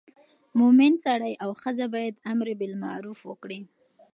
مومن سړی او ښځه باید امر بالمعروف وکړي.